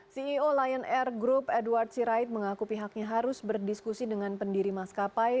ceo lion air group edward sirait mengaku pihaknya harus berdiskusi dengan pendiri maskapai